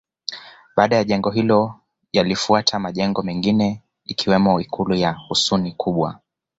Baada ya jengo hilo yalifuatia majengo mengine ikiwemo Ikulu ya Husuni Kubwa